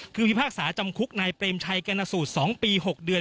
คือพิพากษาจำคุกนายเปรมชัยกรณสูตร๒ปี๖เดือน